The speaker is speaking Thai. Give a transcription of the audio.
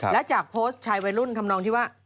และจากโพสต์ชายวัยรุ่นทำนองที่ว่า